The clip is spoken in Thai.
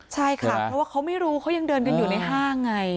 ใช่ค่ะเพราะว่าเขาไม่รู้เขายังเดินกันอยู่ในห้างไง